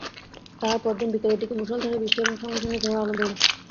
তাহার পরদিন বিকেলের দিকে মুষলধারে বৃষ্টি এবং সঙ্গে সঙ্গে ঝড় আরম্ভ হইল।